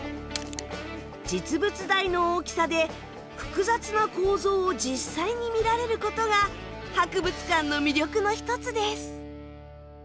実物大の大きさで複雑な構造を実際に見られることが博物館の魅力の一つです。